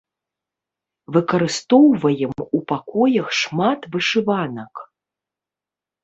Выкарыстоўваем у пакоях шмат вышыванак.